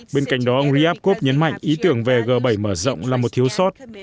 bên cạnh đó ông ryabkov nhấn mạnh ý tưởng về g bảy mở rộng là một thiếu sót